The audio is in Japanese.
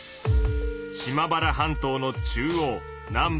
島原半島の中央南北